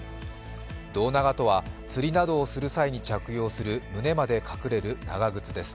胴長とは、釣りなどをする際に着用する胸まで隠れる長靴です。